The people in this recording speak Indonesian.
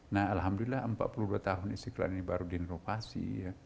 nah alhamdulillah empat puluh dua tahun istiqlal ini baru diinovasi